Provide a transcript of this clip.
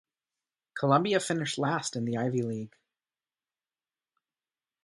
Columbia finished last in the Ivy League.